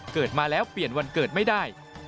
เกิดมาแล้วเปลี่ยนวันเกิดไม่ได้